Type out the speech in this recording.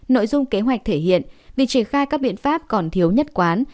nội dung kế hoạch thể hiện vị trí khai các biện pháp còn thiếu nhất quán